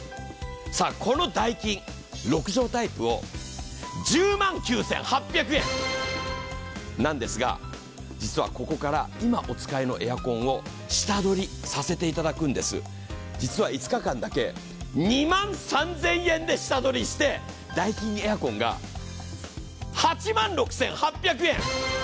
このダイキン、６畳タイプを１０万９８００円なんですが実はここから、今お使いのエアコンを下取りさせていただくんです実は５日間だけて２万３０００円で下取りして、ダイキンエアコンが８万６８００円。